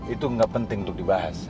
itu nggak penting untuk dibahas